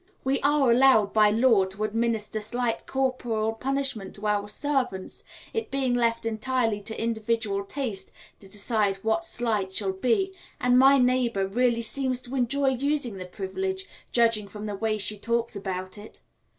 We are allowed by law to administer "slight corporal punishment" to our servants, it being left entirely to individual taste to decide what "slight" shall be, and my neighbour really seems to enjoy using this privilege, judging from the way she talks about it.